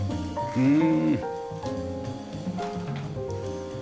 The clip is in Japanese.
うん。